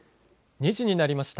２時になりました。